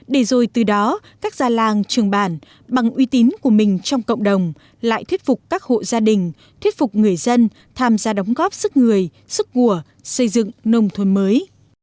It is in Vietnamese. để rồi từ đó các gia làng trường bản bằng uy tín của mình trong cộng đồng lại thuyết phục các hộ gia đình thuyết phục người dân tham gia đóng góp sức người sức của xây dựng nông thôn mới